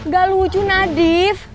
gak lucu nadif